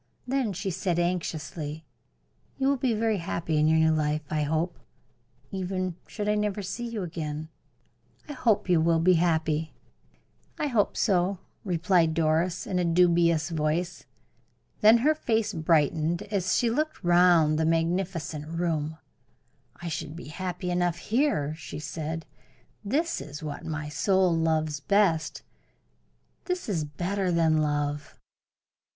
Then she said, anxiously: "You will be very happy in your new life, I hope even should I never see you again I hope you will be happy." "I hope so," replied Doris, in a dubious voice. Then her face brightened as she looked round the magnificent room. "I should be happy enough here," she said. "This is what my soul loves best this is better than love."